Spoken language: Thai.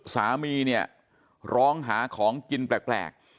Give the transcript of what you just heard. สามีเนี่ยร้องหาของกินแปลก